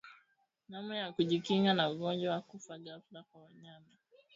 Namna ya kujikinga na ugonjwa wa kufa ghfla kwa wanyama